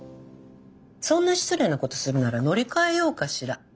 そんな失礼なことするなら乗り換えようかしら。